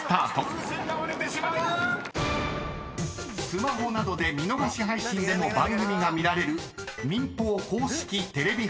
［スマホなどで見逃し配信でも番組が見られる］